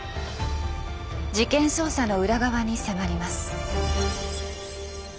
事件捜査の裏側に迫ります。